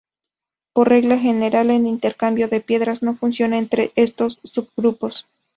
Por regla general, el intercambio de piezas no funciona entre estos subgrupos.